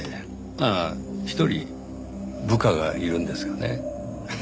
ああ１人部下がいるんですがね